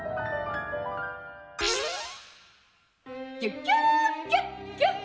「キュキュキュッキュッ！